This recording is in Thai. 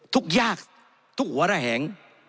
ทุกข์ยากทุกหัวระแหง